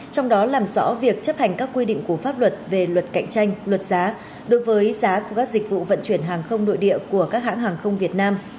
trong đó làm rõ việc chấp hành các quy định của pháp luật về luật cạnh tranh luật giá đối với giá của các dịch vụ vận chuyển hàng không nội địa của các hãng hàng không việt nam